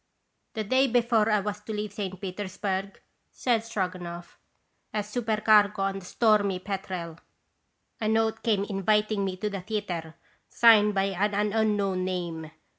" The day before I was to leave .St. Peters burg," said Stroganoff, "as supercargo on the Stormy Petrel, a note came inviting me to the theatre, signed by an unknown name.